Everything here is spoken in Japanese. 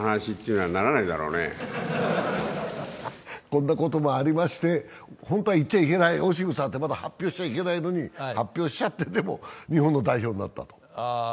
こんなこともありまして、本当は言っちゃいけない、オシムさんって言っちゃいけないのに発表しちゃってっていうので日本の代表になった。